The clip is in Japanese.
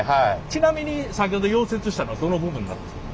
ちなみに先ほど溶接したのはどの部分なるんですか？